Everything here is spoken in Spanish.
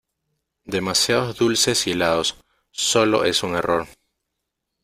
Demasiados dulces y helados. Sólo es un error .